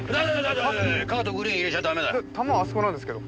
球あそこなんですけど。